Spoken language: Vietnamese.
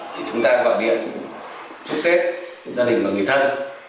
thì chúng ta cũng gọi điện chúc tết cho gia đình và người thân